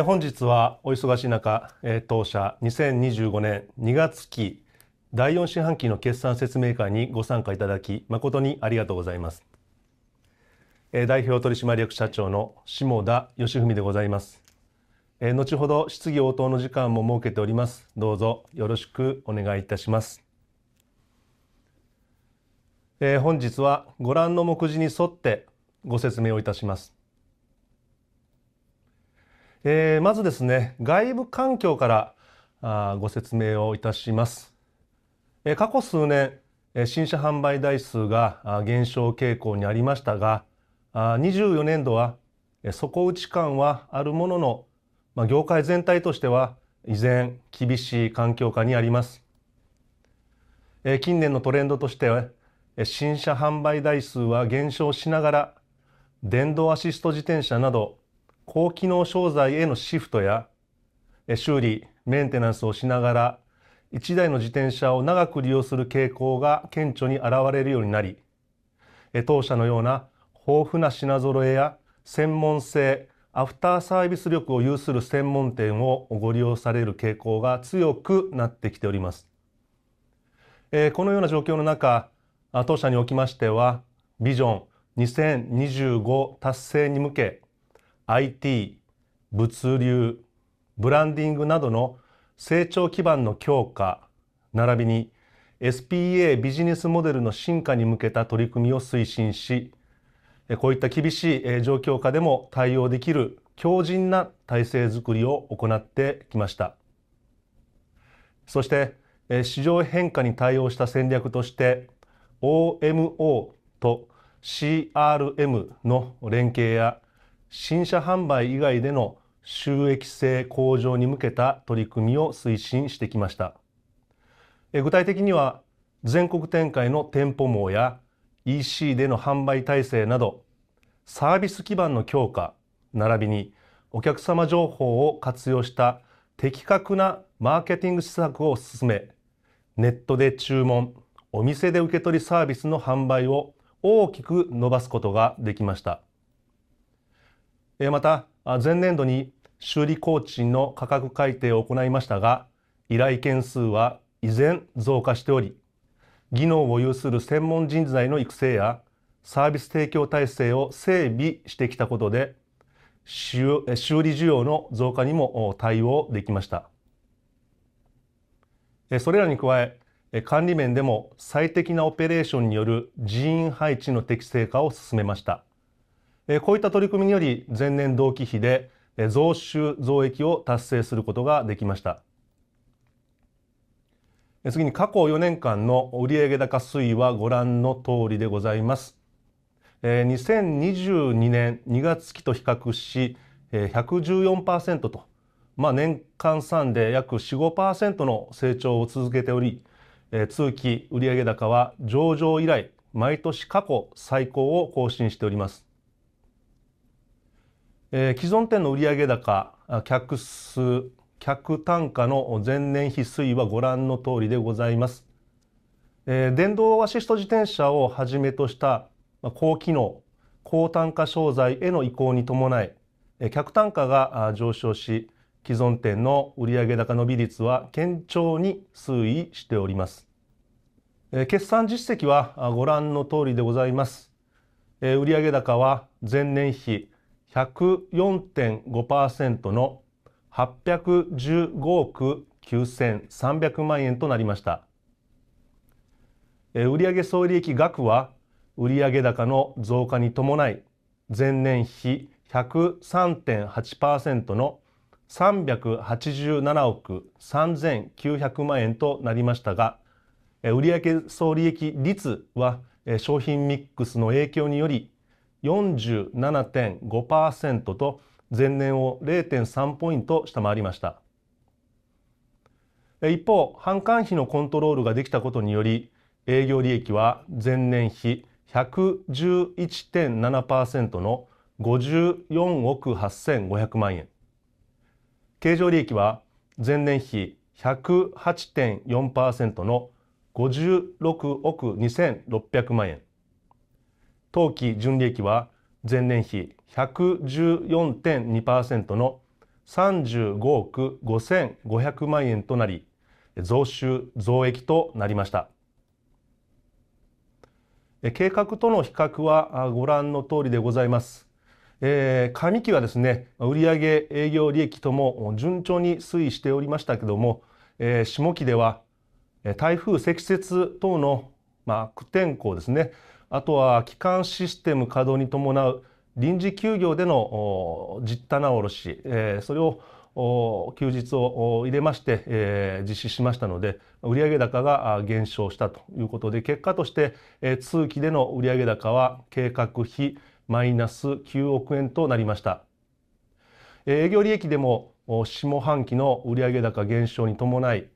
本日はお忙しい中、当社2025年2月期第4四半期の決算説明会にご参加いただき、誠にありがとうございます。代表取締役社長の下田吉文でございます。後ほど質疑応答の時間も設けております。どうぞよろしくお願いいたします。本日はご覧の目次に沿ってご説明をいたします。まず、外部環境からご説明をいたします。過去数年、新車販売台数が減少傾向にありましたが、24年度は底打ち感はあるものの、業界全体としては依然厳しい環境下にあります。近年のトレンドとして、新車販売台数は減少しながら、電動アシスト自転車など高機能商材へのシフトや、修理、メンテナンスをしながら1台の自転車を長く利用する傾向が顕著に現れるようになり、当社のような豊富な品揃えや専門性、アフターサービス力を有する専門店をご利用される傾向が強くなってきております。このような状況の中、当社におきましては、ビジョン2025達成に向け、IT、物流、ブランディングなどの成長基盤の強化、並びに SPA ビジネスモデルの進化に向けた取り組みを推進し、こういった厳しい状況下でも対応できる強靭な体制づくりを行ってきました。市場変化に対応した戦略として、OMO と CRM の連携や、新車販売以外での収益性向上に向けた取り組みを推進してきました。具体的には、全国展開の店舗網や EC での販売体制など、サービス基盤の強化、並びにお客様情報を活用した的確なマーケティング施策を進め、ネットで注文、お店で受け取りサービスの販売を大きく伸ばすことができました。また、前年度に修理工賃の価格改定を行いましたが、依頼件数は依然増加しており、技能を有する専門人材の育成やサービス提供体制を整備してきたことで、修理需要の増加にも対応できました。それらに加え、管理面でも最適なオペレーションによる人員配置の適正化を進めました。こういった取り組みにより、前年同期比で増収増益を達成することができました。次に、過去4年間の売上高推移はご覧のとおりでございます。2022年2月期と比較し、114% と、年換算で約 4、5% の成長を続けており、通期売上高は上場以来、毎年過去最高を更新しております。既存店の売上高、客数、客単価の前年比推移はご覧のとおりでございます。電動アシスト自転車をはじめとした高機能、高単価商材への移行に伴い、客単価が上昇し、既存店の売上高伸び率は堅調に推移しております。決算実績はご覧のとおりでございます。売上高は前年比 104.5% の815億 9,300 万円となりました。売上総利益額は売上高の増加に伴い、前年比 103.8% の387億 3,900 万円となりましたが、売上総利益率は商品ミックスの影響により 47.5% と前年を 0.3 ポイント下回りました。一方、販管費のコントロールができたことにより、営業利益は前年比 111.7% の54億 8,500 万円。経常利益は前年比 108.4% の56億 2,600 万円。当期純利益は前年比 114.2% の35億 5,500 万円となり、増収増益となりました。計画との比較はご覧のとおりでございます。上期は、売上、営業利益とも順調に推移しておりましたが、下期では台風積雪等の不天候、基幹システム稼働に伴う臨時休業での実店舗を休日を入れまして実施しましたので、売上高が減少したということで、結果として通期での売上高は計画比マイナス9億円となりました。営業利益でも下半期の売上高減少に伴い、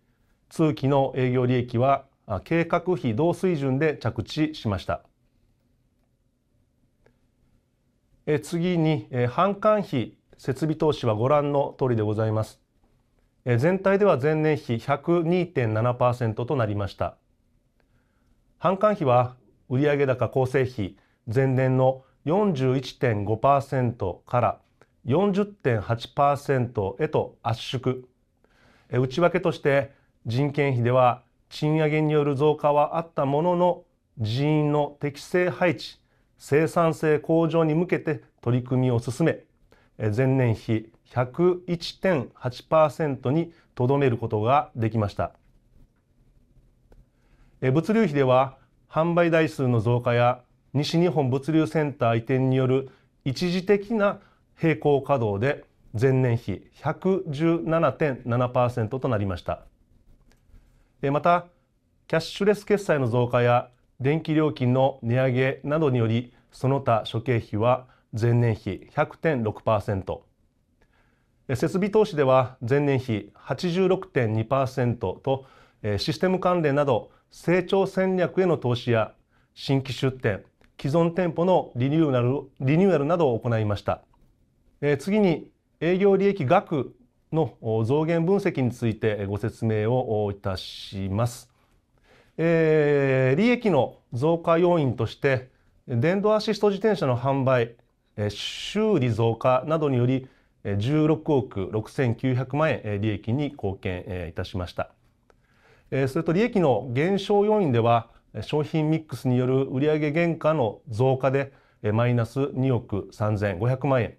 通期の営業利益は計画比同水準で着地しました。次に、販管費、設備投資はご覧のとおりでございます。全体では前年比 102.7% となりました。販管費は売上高構成比、前年の 41.5% から 40.8% へと圧縮。内訳として、人件費では賃上げによる増加はあったものの、人員の適正配置、生産性向上に向けて取り組みを進め、前年比 101.8% にとどめることができました。物流費では、販売台数の増加や西日本物流センター移転による一時的な並行稼働で前年比 117.7% となりました。また、キャッシュレス決済の増加や電気料金の値上げなどにより、その他諸経費は前年比 100.6%。設備投資では前年比 86.2% と、システム関連など成長戦略への投資や、新規出店、既存店舗のリニューアルなどを行いました。次に、営業利益額の増減分析についてご説明をいたします。利益の増加要因として、電動アシスト自転車の販売、修理増加などにより16億 6,900 万円利益に貢献いたしました。利益の減少要因では商品ミックスによる売上原価の増加でマイナス2億 3,500 万円。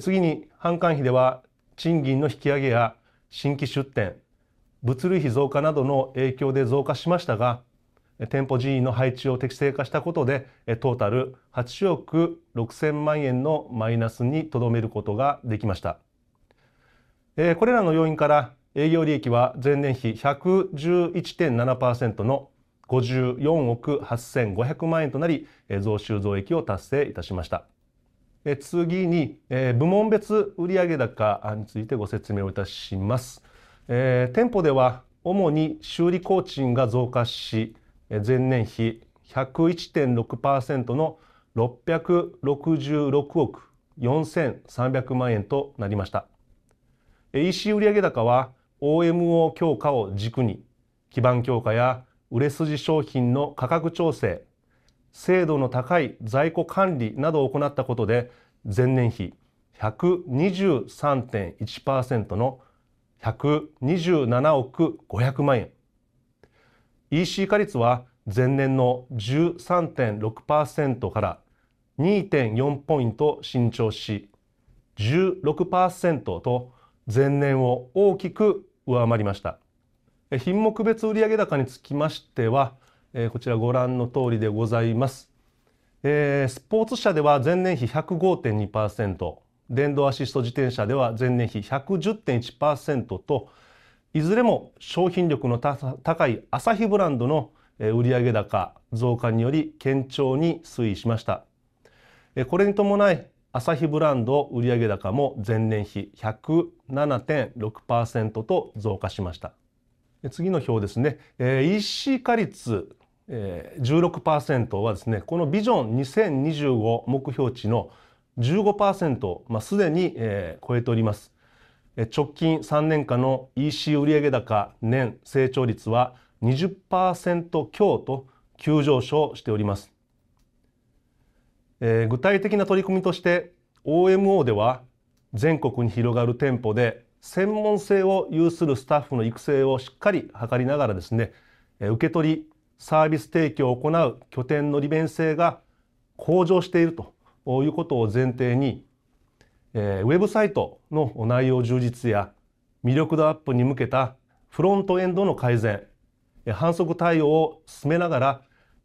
次に、販管費では賃金の引き上げや新規出店、物流費増加などの影響で増加しましたが、店舗人員の配置を適正化したことでトータル8億 6,000 万円のマイナスにとどめることができました。これらの要因から、営業利益は前年比 111.7% の54億 8,500 万円となり、増収増益を達成いたしました。次に、部門別売上高についてご説明をいたします。店舗では主に修理工賃が増加し、前年比 101.6% の666億 4,300 万円となりました。EC 売上高は OMO 強化を軸に、基盤強化や売れ筋商品の価格調整、精度の高い在庫管理などを行ったことで前年比 123.1% の127億500万円。EC 化率は前年の 13.6% から 2.4 ポイント伸長し、16% と前年を大きく上回りました。品目別売上高につきましては、こちらご覧のとおりでございます。スポーツ車では前年比 105.2%、電動アシスト自転車では前年比 110.1% と、いずれも商品力の高いアサヒブランドの売上高増加により堅調に推移しました。これに伴い、アサヒブランド売上高も前年比 107.6% と増加しました。EC 化率 16% は、このビジョン2025目標値の 15% をすでに超えております。直近3年間の EC 売上高年成長率は 20% 強と急上昇しております。具体的な取り組みとして、OMO では全国に広がる店舗で専門性を有するスタッフの育成をしっかり図りながら、受け取りサービス提供を行う拠点の利便性が向上していることを前提に、ウェブサイトの内容充実や魅力度アップに向けたフロントエンドの改善、販促対応を進めながら、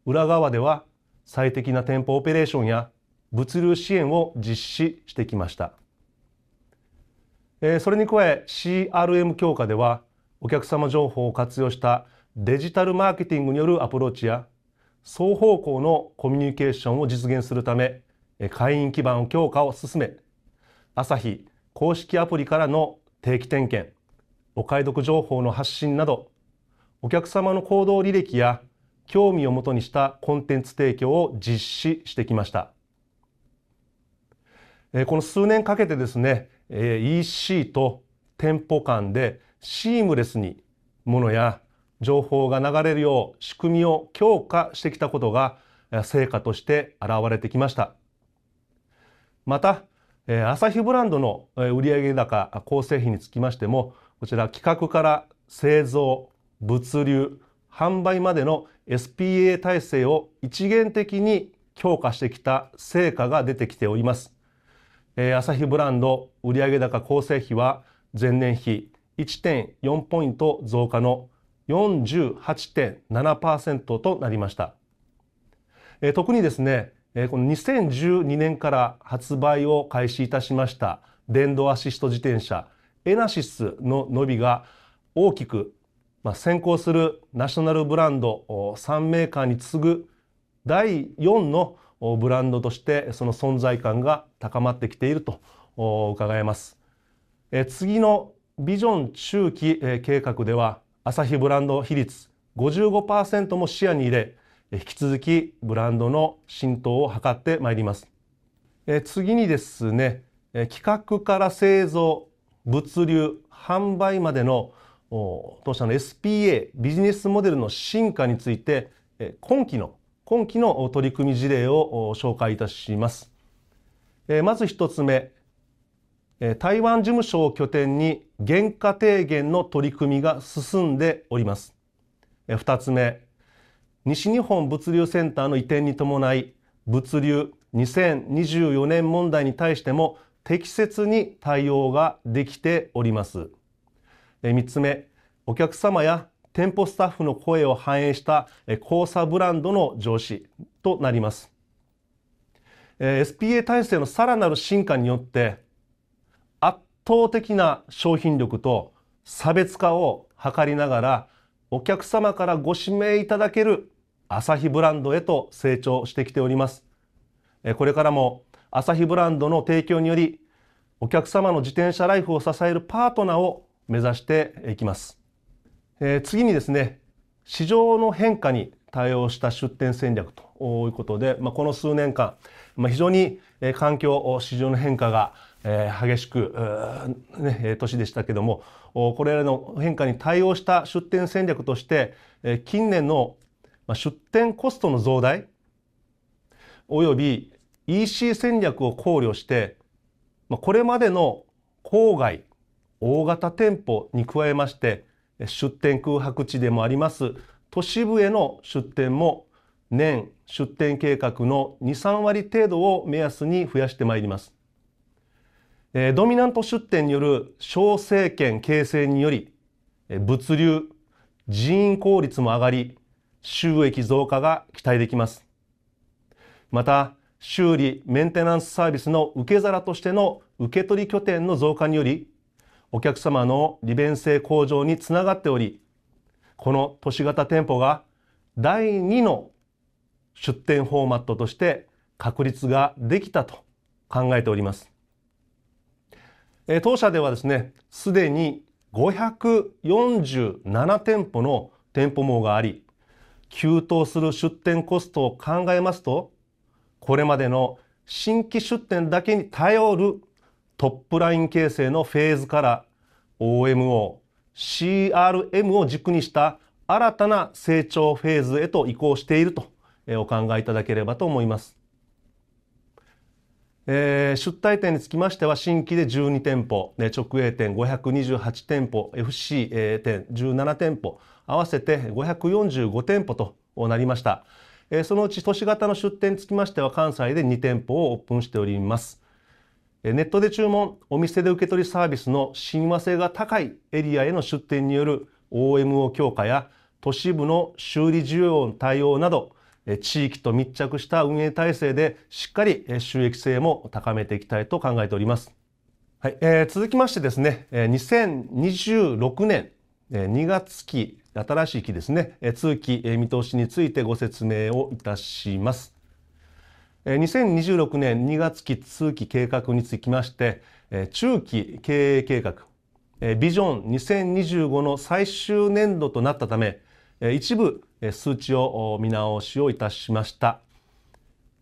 裏側では最適な店舗オペレーションや物流支援を実施してきました。それに加え、CRM 強化ではお客様情報を活用したデジタルマーケティングによるアプローチや、双方向のコミュニケーションを実現するため、会員基盤強化を進め、アサヒ公式アプリからの定期点検、お買い得情報の発信など、お客様の行動履歴や興味をもとにしたコンテンツ提供を実施してきました。この数年かけて、EC と店舗間でシームレスに物や情報が流れるよう仕組みを強化してきたことが成果として現れてきました。また、アサヒブランドの売上高構成比につきましても、こちら企画から製造、物流、販売までの SPA 体制を一元的に強化してきた成果が出てきております。アサヒブランド売上高構成比は前年比 1.4 ポイント増加の 48.7% となりました。特に、この2012年から発売を開始いたしました電動アシスト自転車エナシスの伸びが大きく、先行するナショナルブランド3メーカーに次ぐ第4のブランドとしてその存在感が高まってきていると伺えます。次のビジョン中期計画では、アサヒブランド比率 55% も視野に入れ、引き続きブランドの浸透を図ってまいります。次に、企画から製造、物流、販売までの当社の SPA ビジネスモデルの進化について、今期の取り組み事例を紹介いたします。まず1つ目、台湾事務所を拠点に原価低減の取り組みが進んでおります。2つ目、西日本物流センターの移転に伴い、物流2024年問題に対しても適切に対応ができております。3つ目、お客様や店舗スタッフの声を反映した交差ブランドの醸成となります。SPA 体制のさらなる進化によって、圧倒的な商品力と差別化を図りながら、お客様からご指名いただけるアサヒブランドへと成長してきております。これからもアサヒブランドの提供により、お客様の自転車ライフを支えるパートナーを目指していきます。次に、市場の変化に対応した出店戦略ということで、この数年間非常に環境、市場の変化が激しい年でしたが、これらの変化に対応した出店戦略として、近年の出店コストの増大及び EC 戦略を考慮して、これまでの郊外、大型店舗に加えまして、出店空白地でもあります都市部への出店も年出店計画の 2、3割程度を目安に増やしてまいります。ドミナント出店による小商圏形成により、物流、人員効率も上がり、収益増加が期待できます。また、修理、メンテナンスサービスの受け皿としての受け取り拠点の増加により、お客様の利便性向上につながっており、この都市型店舗が第2の出店フォーマットとして確立ができたと考えております。当社では、すでに547店舗の店舗網があり、急騰する出店コストを考えますと、これまでの新規出店だけに頼るトップライン形成のフェーズから、OMO、CRM を軸にした新たな成長フェーズへと移行しているとお考えいただければと思います。出店店舗につきましては、新規で12店舗、直営店528店舗、FC 店17店舗、合わせて545店舗となりました。そのうち都市型の出店につきましては、関西で2店舗をオープンしております。ネットで注文、お店で受け取りサービスの親和性が高いエリアへの出店による OMO 強化や、都市部の修理需要の対応など、地域と密着した運営体制でしっかり収益性も高めていきたいと考えております。続きまして、2026年2月期、新しい期の通期見通しについてご説明をいたします。2026年2月期通期計画につきまして、中期経営計画、ビジョン2025の最終年度となったため、一部数値を見直しをいたしました。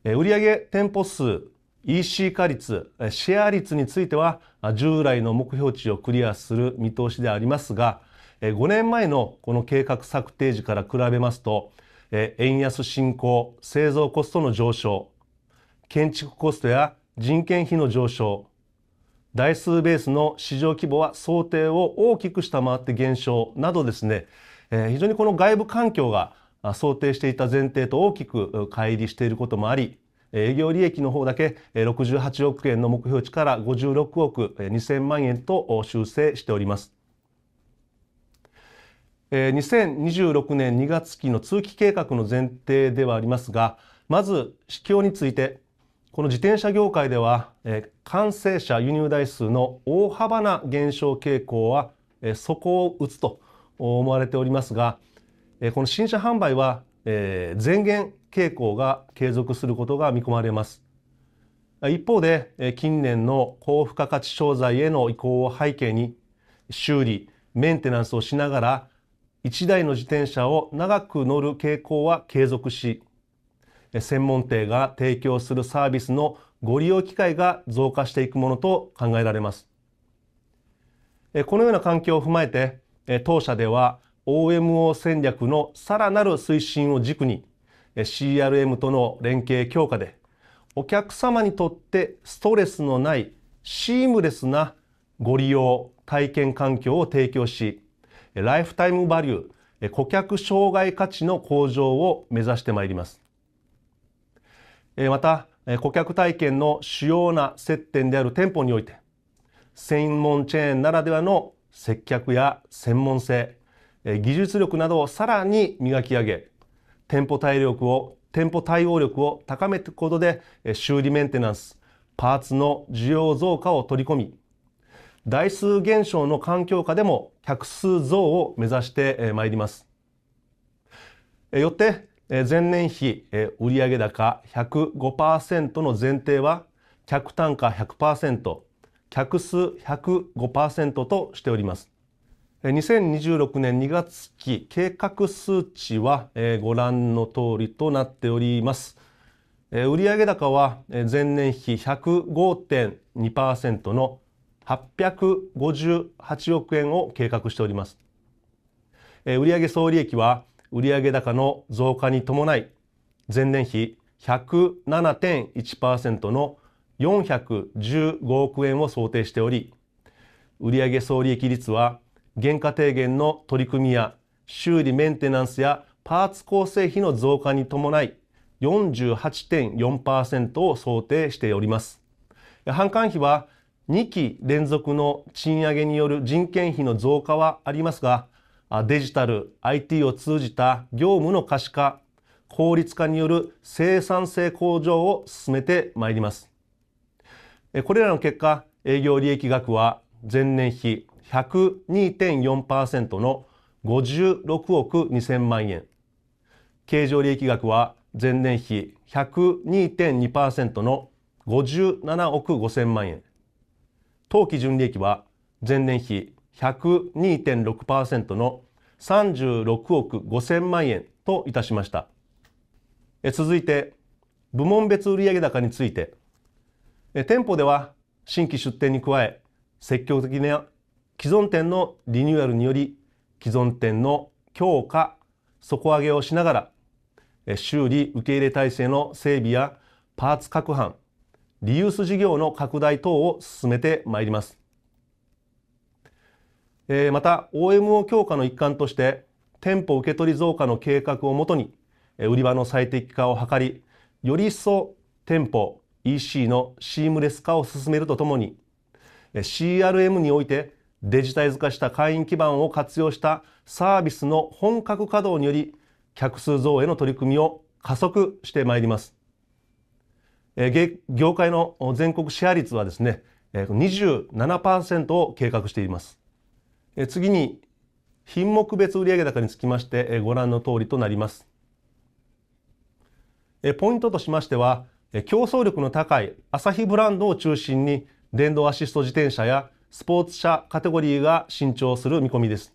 売上、店舗数、EC 化率、シェア率については従来の目標値をクリアする見通しでありますが、5年前のこの計画策定時から比べますと、円安進行、製造コストの上昇、建築コストや人件費の上昇、台数ベースの市場規模は想定を大きく下回って減少などで、非常にこの外部環境が想定していた前提と大きく乖離していることもあり、営業利益の方だけ68億円の目標値から56億 2,000 万円と修正しております。2026年2月期の通期計画の前提でありますが、まず市況について、この自転車業界では完成車輸入台数の大幅な減少傾向は底を打つと思われておりますが、この新車販売は前年減傾向が継続することが見込まれます。一方で、近年の高付加価値商材への移行を背景に、修理、メンテナンスをしながら1台の自転車を長く乗る傾向は継続し、専門店が提供するサービスのご利用機会が増加していくものと考えられます。このような環境を踏まえて、当社では OMO 戦略のさらなる推進を軸に、CRM との連携強化で、お客様にとってストレスのないシームレスなご利用体験環境を提供し、ライフタイムバリュー、顧客生涯価値の向上を目指してまいります。また、顧客体験の主要な接点である店舗において、専門チェーンならではの接客や専門性、技術力などをさらに磨き上げ、店舗対応力を高めることで、修理メンテナンス、パーツの需要増加を取り込み、台数減少の環境下でも客数増を目指してまいります。よって、前年比売上高 105% の前提は客単価 100%、客数 105% としております。2026年2月期計画数値はご覧の通りとなっております。売上高は前年比 105.2% の858億円を計画しております。売上総利益は売上高の増加に伴い、前年比 107.1% の415億円を想定しており、売上総利益率は原価低減の取り組みや修理メンテナンスやパーツ構成比の増加に伴い 48.4% を想定しております。販管費は2期連続の賃上げによる人件費の増加はありますが、デジタル、IT を通じた業務の可視化、効率化による生産性向上を進めてまいります。これらの結果、営業利益額は前年比 102.4% の56億 2,000 万円、経常利益額は前年比 102.2% の57億 5,000 万円、当期純利益は前年比 102.6% の36億 5,000 万円といたしました。続いて、部門別売上高について、店舗では新規出店に加え、積極的な既存店のリニューアルにより既存店の強化、底上げをしながら、修理受け入れ体制の整備やパーツ拡販、リユース事業の拡大等を進めてまいります。また、OMO 強化の一環として、店舗受け取り増加の計画をもとに売り場の最適化を図り、より一層店舗、EC のシームレス化を進めるとともに、CRM においてデジタル化した会員基盤を活用したサービスの本格稼働により客数増への取り組みを加速してまいります。業界の全国シェア率は 27% を計画しています。次に、品目別売上高につきましてご覧の通りとなります。ポイントとしましては、競争力の高いアサヒブランドを中心に電動アシスト自転車やスポーツ車カテゴリーが伸長する見込みです。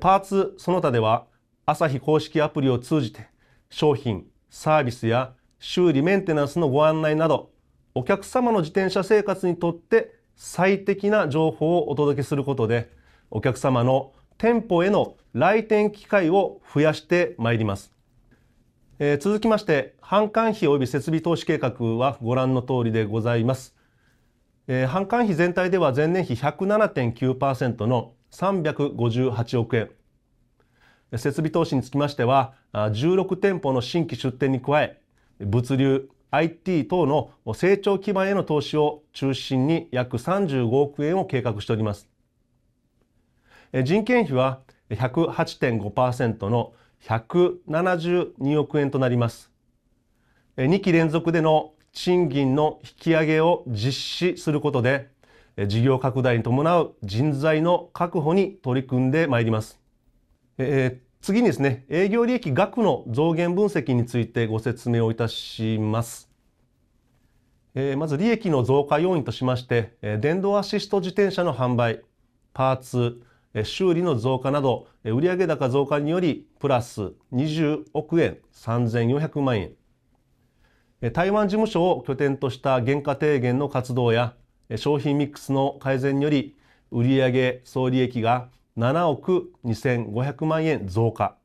パーツその他ではアサヒ公式アプリを通じて商品、サービスや修理メンテナンスのご案内など、お客様の自転車生活にとって最適な情報をお届けすることで、お客様の店舗への来店機会を増やしてまいります。続きまして、販管費及び設備投資計画はご覧の通りでございます。販管費全体では前年比 107.9% の358億円、設備投資につきましては16店舗の新規出店に加え、物流、IT 等の成長基盤への投資を中心に約35億円を計画しております。人件費は 108.5% の172億円となります。2期連続での賃金の引き上げを実施することで、事業拡大に伴う人材の確保に取り組んでまいります。次に、営業利益額の増減分析についてご説明をいたします。まず利益の増加要因としまして、電動アシスト自転車の販売、パーツ、修理の増加など売上高増加によりプラス20億 3,400 万円。台湾事務所を拠点とした原価低減の活動や商品ミックスの改善により売上総利益が7億 2,500 万円増加。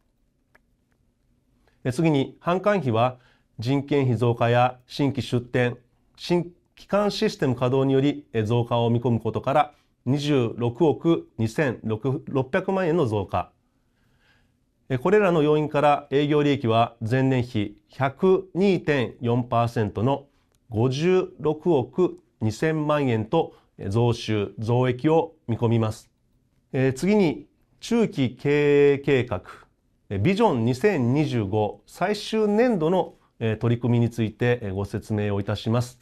次に、販管費は人件費増加や新規出店、新基幹システム稼働により増加を見込むことから26億 2,600 万円の増加。これらの要因から営業利益は前年比 102.4% の56億 2,000 万円と増収増益を見込みます。次に、中期経営計画、ビジョン2025最終年度の取り組みについてご説明をいたします。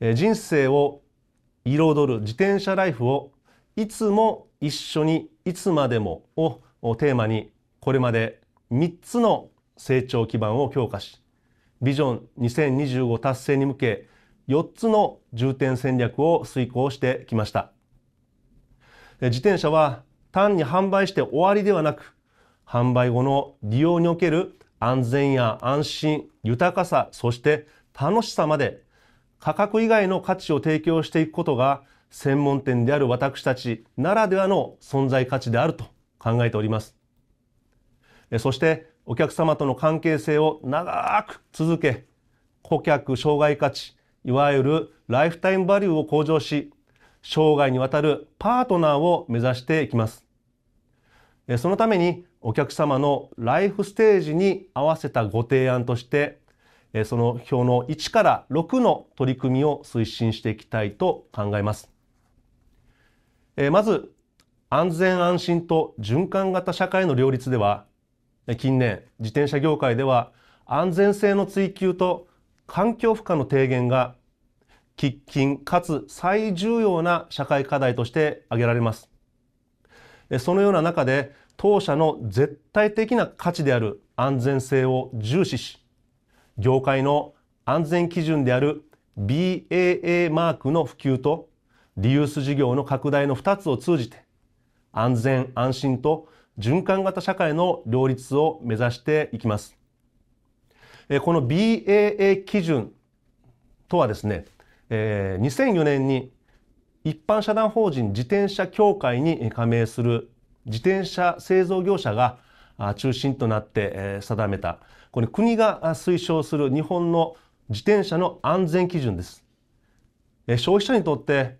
人生を彩る自転車ライフをいつも一緒にいつまでもをテーマに、これまで3つの成長基盤を強化し、ビジョン2025達成に向け4つの重点戦略を遂行してきました。自転車は単に販売して終わりではなく、販売後の利用における安全や安心、豊かさ、そして楽しさまで価格以外の価値を提供していくことが専門店である私たちならではの存在価値であると考えております。お客様との関係性を長く続け、顧客生涯価値、いわゆるライフタイムバリューを向上し、生涯にわたるパートナーを目指していきます。そのためにお客様のライフステージに合わせたご提案として、その表の1から6の取り組みを推進していきたいと考えます。まず、安全安心と循環型社会の両立では、近年自転車業界では安全性の追求と環境負荷の低減が喫緊かつ最重要な社会課題として挙げられます。そのような中で当社の絶対的な価値である安全性を重視し、業界の安全基準である BAA マークの普及とリユース事業の拡大の2つを通じて、安全安心と循環型社会の両立を目指していきます。この BAA 基準とは、2004年に一般社団法人自転車協会に加盟する自転車製造業者が中心となって定めた、これ国が推奨する日本の自転車の安全基準です。消費者にとって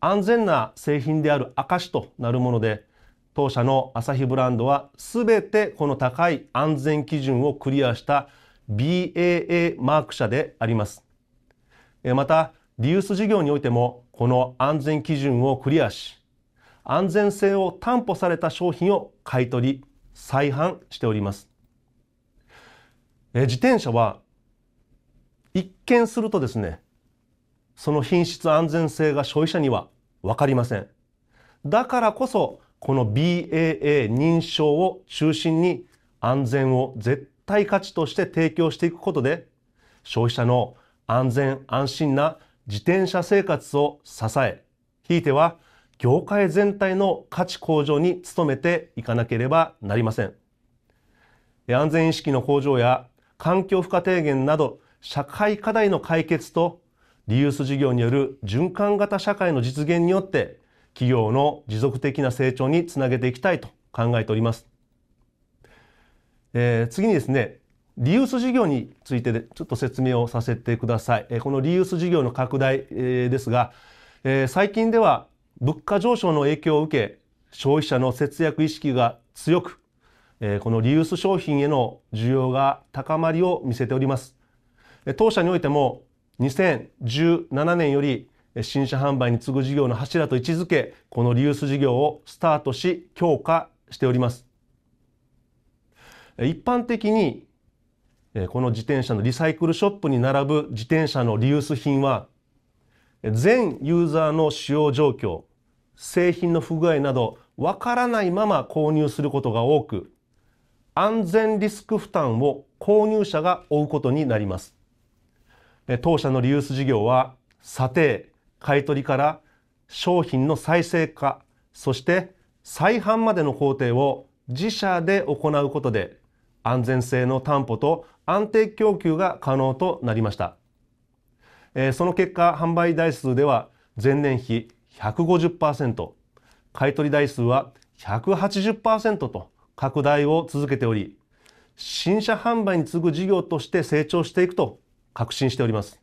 安全な製品である証となるもので、当社のアサヒブランドは全てこの高い安全基準をクリアした BAA マーク車であります。また、リユース事業においてもこの安全基準をクリアし、安全性を担保された商品を買い取り再販しております。自転車は一見すると、その品質安全性が消費者には分かりません。だからこそこの BAA 認証を中心に安全を絶対価値として提供していくことで、消費者の安全安心な自転車生活を支え、ひいては業界全体の価値向上に努めていかなければなりません。安全意識の向上や環境負荷低減など社会課題の解決とリユース事業による循環型社会の実現によって、企業の持続的な成長につなげていきたいと考えております。次に、リユース事業についてちょっと説明をさせてください。このリユース事業の拡大ですが、最近では物価上昇の影響を受け、消費者の節約意識が強く、このリユース商品への需要が高まりを見せております。当社においても2017年より新車販売に次ぐ事業の柱と位置づけ、このリユース事業をスタートし強化しております。一般的にこの自転車のリサイクルショップに並ぶ自転車のリユース品は、前ユーザーの使用状況、製品の不具合など分からないまま購入することが多く、安全リスク負担を購入者が負うことになります。当社のリユース事業は査定、買い取りから商品の再生化、そして再販までの工程を自社で行うことで、安全性の担保と安定供給が可能となりました。その結果、販売台数では前年比 150%、買い取り台数は 180% と拡大を続けており、新車販売に次ぐ事業として成長していくと確信しております。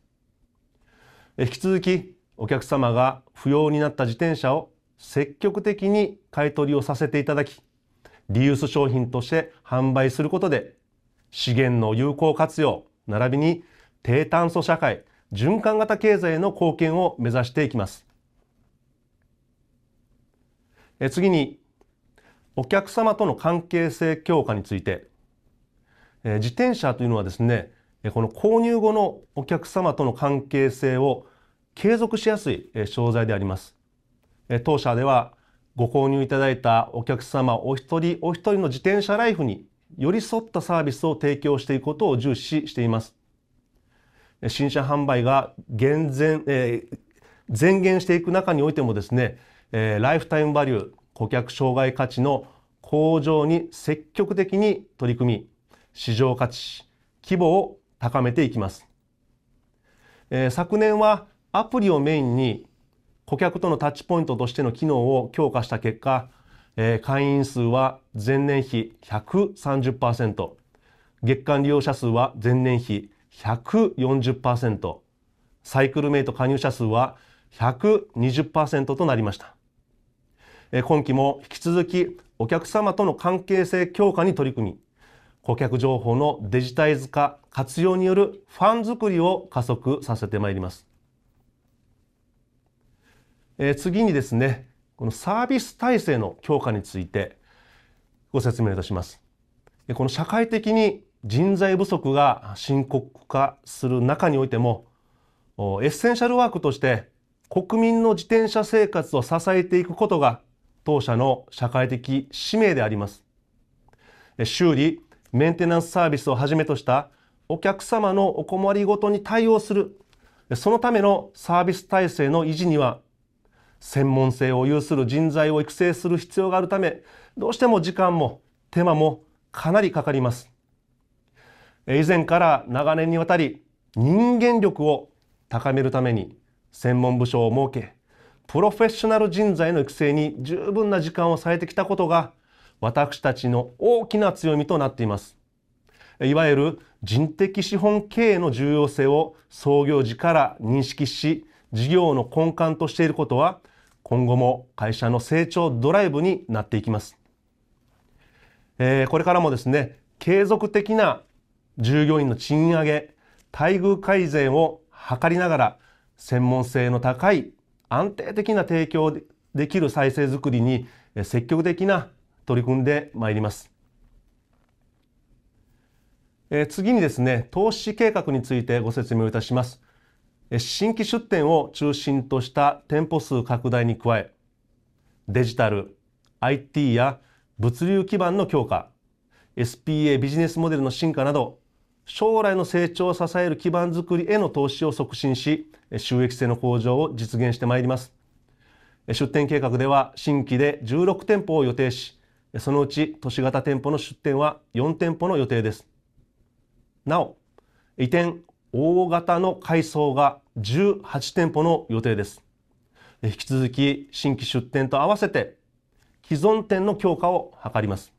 引き続きお客様が不要になった自転車を積極的に買い取りをさせていただき、リユース商品として販売することで、資源の有効活用並びに低炭素社会、循環型経済への貢献を目指していきます。次にお客様との関係性強化について、自転車というのは、この購入後のお客様との関係性を継続しやすい商材であります。当社ではご購入いただいたお客様お一人お一人の自転車ライフに寄り添ったサービスを提供していくことを重視しています。新車販売が漸減していく中においても、ライフタイムバリュー、顧客生涯価値の向上に積極的に取り組み、市場価値、規模を高めていきます。昨年はアプリをメインに顧客とのタッチポイントとしての機能を強化した結果、会員数は前年比 130%、月間利用者数は前年比 140%、サイクルメイト加入者数は 120% となりました。今期も引き続きお客様との関係性強化に取り組み、顧客情報のデジタル化、活用によるファン作りを加速させてまいります。次に、このサービス体制の強化についてご説明いたします。この社会的に人材不足が深刻化する中においても、エッセンシャルワークとして国民の自転車生活を支えていくことが当社の社会的使命であります。修理、メンテナンスサービスをはじめとしたお客様のお困りごとに対応する、そのためのサービス体制の維持には専門性を有する人材を育成する必要があるため、どうしても時間も手間もかなりかかります。以前から長年にわたり人間力を高めるために専門部署を設け、プロフェッショナル人材の育成に十分な時間を割いてきたことが私たちの大きな強みとなっています。いわゆる人的資本経営の重要性を創業時から認識し、事業の根幹としていることは今後も会社の成長ドライバーになっていきます。これからも、継続的な従業員の賃上げ、待遇改善を図りながら、専門性の高い安定的な提供できる体制づくりに積極的に取り組んでまいります。次に、投資計画についてご説明をいたします。新規出店を中心とした店舗数拡大に加え、デジタル、IT や物流基盤の強化、SPA ビジネスモデルの進化など、将来の成長を支える基盤づくりへの投資を促進し、収益性の向上を実現してまいります。出店計画では新規で16店舗を予定し、そのうち都市型店舗の出店は4店舗の予定です。なお、移転、大型の改装が18店舗の予定です。引き続き新規出店と合わせて既存店の強化を図ります。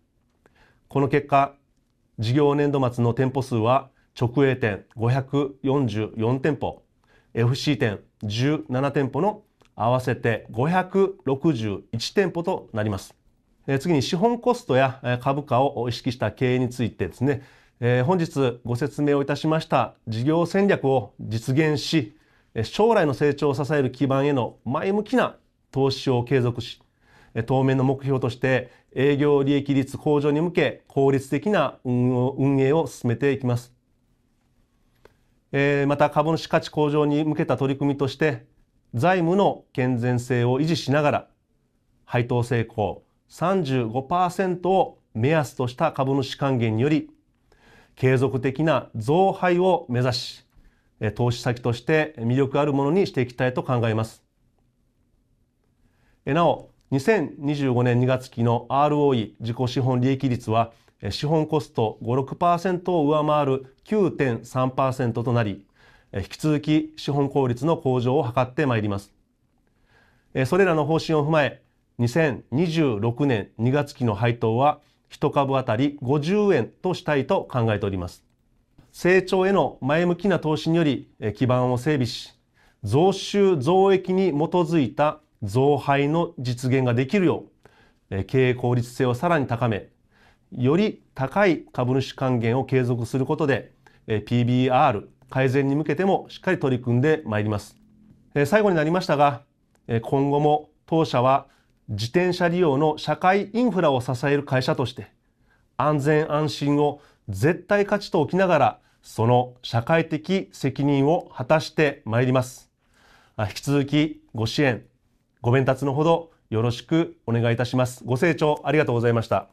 この結果、事業年度末の店舗数は直営店544店舗、FC 店17店舗の合わせて561店舗となります。次に資本コストや株価を意識した経営について、本日ご説明をいたしました事業戦略を実現し、将来の成長を支える基盤への前向きな投資を継続し、当面の目標として営業利益率向上に向け効率的な運営を進めていきます。また、株主価値向上に向けた取り組みとして、財務の健全性を維持しながら配当性向 35% を目安とした株主還元により継続的な増配を目指し、投資先として魅力あるものにしていきたいと考えます。なお、2025年2月期の ROE 自己資本利益率は資本コスト 5.6% を上回る 9.3% となり、引き続き資本効率の向上を図ってまいります。それらの方針を踏まえ、2026年2月期の配当は1株あたり50円としたいと考えております。成長への前向きな投資により基盤を整備し、増収増益に基づいた増配の実現ができるよう、経営効率性をさらに高め、より高い株主還元を継続することで PBR 改善に向けてもしっかり取り組んでまいります。最後になりましたが、今後も当社は自転車利用の社会インフラを支える会社として、安全安心を絶対価値と置きながら、その社会的責任を果たしてまいります。引き続きご支援、ご鞭撻のほどよろしくお願いいたします。ご清聴ありがとうございました。